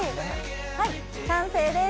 はい完成です。